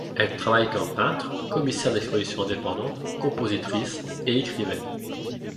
Elle travaille comme peintre, commissaire d'exposition indépendante, compositrice et écrivaine.